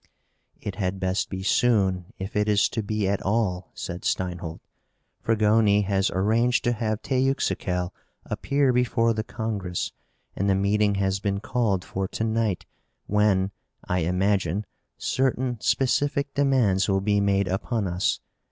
"It had best be soon if it is to be at all," said Steinholt. "Fragoni has arranged to have Teuxical appear before the Congress, and the meeting has been called for to night when, I imagine, certain specific demands will be made upon us.